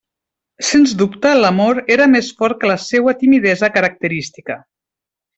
Sens dubte, l'amor era més fort que la seua timidesa característica.